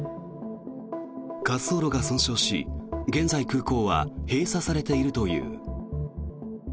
滑走路が損傷し、現在空港は閉鎖されているという。